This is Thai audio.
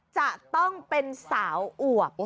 จะต้องเป็นสาวอวบ